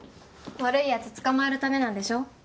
悪いやつ捕まえるためなんでしょ。